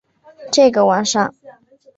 这个晚上